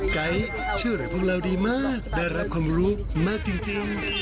ไกล์เชื่อเรื่องพวกเราดีมากได้รับความรู้มากจริง